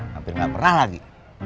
hampir gak pernah lagi